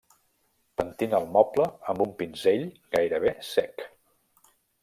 Pentina el moble amb un pinzell gairebé sec.